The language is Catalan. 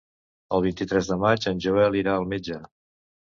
El vint-i-tres de maig en Joel irà al metge.